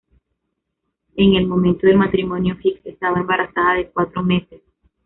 En el momento del matrimonio, Hicks estaba embarazada de cuatro meses.